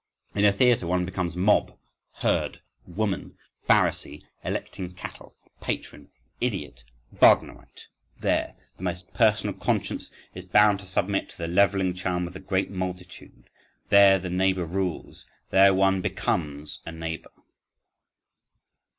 … In the theatre one becomes mob, herd, woman, Pharisee, electing cattle, patron, idiot—Wagnerite: there, the most personal conscience is bound to submit to the levelling charm of the great multitude, there the neighbour rules, there one becomes a neighbour."